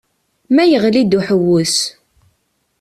Ma yeɣli-d uḥewwes.